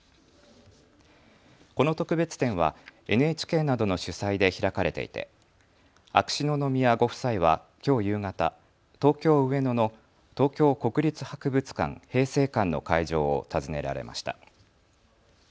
この特別展はＮＨＫなどの主催で開かれていて秋篠宮ご夫妻はきょう夕方、東京上野の東京国立博物館平成館の会場を訪ねられました。